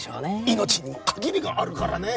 命にも限りがあるからね！